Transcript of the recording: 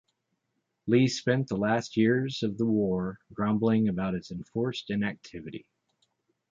Li spent the last years of the war grumbling about his enforced inactivity.